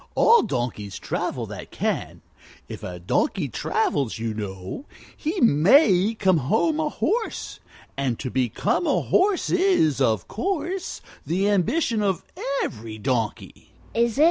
All donkeys travel that can. If a donkey travels, you know, he may come home a horse; and to become a horse is, of course, the ambition of every donkey!"